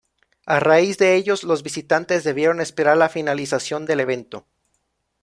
A raíz de ellos los visitantes debieron esperar la finalización del evento.